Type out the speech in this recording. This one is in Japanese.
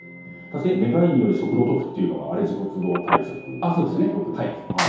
願いにより職を解くというのが自己都合退職だとよくいいますけど。